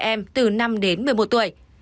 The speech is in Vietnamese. em từ năm đến một mươi một tuổi